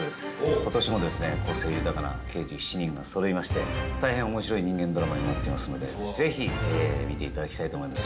今年もですね、個性豊かな刑事７人がそろいまして大変面白い人間ドラマになってますのでぜひ見ていただきたいと思います。